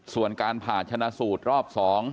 ส่วนการผ่าชนะสูตรรอบ๒